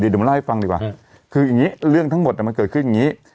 เดี๋ยวมาเล่าให้ฟังดีกว่าคืออย่างนี้เรื่องทั้งหมดมันเกิดขึ้นอย่างนี้